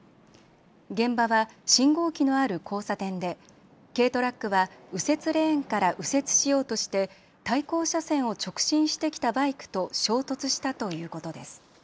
現場は信号機のある交差点で軽トラックは右折レーンから右折しようとして対向車線を直進してきたバイクと衝突したということです。